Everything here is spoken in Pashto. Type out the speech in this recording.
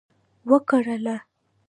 وکرله